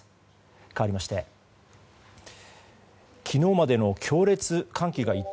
かわりまして昨日までの強烈寒気が一転